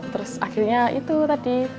terus akhirnya itu tadi